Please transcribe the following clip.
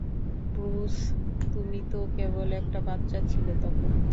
Bruce, তুমি তো কেবল একটা বাচ্চা ছিলে তখন।